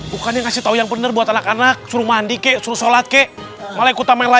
bukannya ngasih tahu yang bener buat anak anak suruh mandi kek suruh sholat kek malah kut tamara